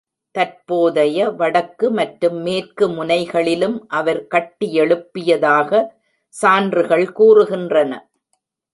தற்போதைய வடக்கு மற்றும் மேற்கு முனைகளிலும் அவர் கட்டியெழுப்பியதாக சான்றுகள் கூறுகின்றன.